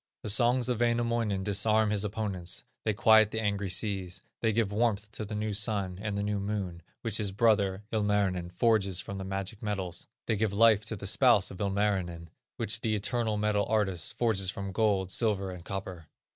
The songs of Wainamoinen disarm his opponents; they quiet the angry sea; they give warmth to the new sun and the new moon which his brother, Ilmarinen, forges from the magic metals; they give life to the spouse of Ilmarinen, which the "eternal metal artist" forges from gold, silver, and copper.